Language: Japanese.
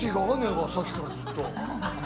「さっきからずっと」